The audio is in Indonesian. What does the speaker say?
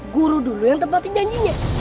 guru dulu yang tepatin janjinya